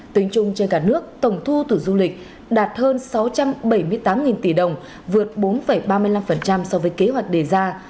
tính chung trên cả nước tổng thu từ du lịch đạt hơn sáu trăm bảy mươi tám tỷ đồng vượt bốn ba mươi năm so với kế hoạch đề ra